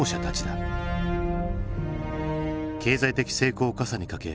経済的成功をかさにかけ